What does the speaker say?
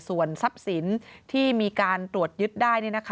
ส่วนทรัพย์สินที่มีการตรวจยึดได้